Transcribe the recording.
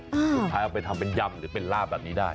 เอาไปทำเป็นยำหรือเป็นลาบแบบนี้ได้